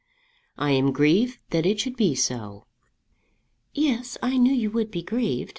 "I am grieved that it should be so." "Yes, I knew you would be grieved.